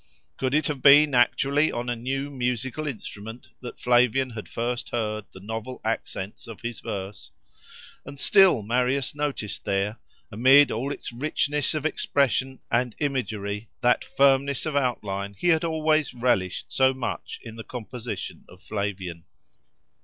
Could it have been actually on a new musical instrument that Flavian had first heard the novel accents of his verse? And still Marius noticed there, amid all its richness of expression and imagery, that firmness of outline he had always relished so much in the composition of Flavian.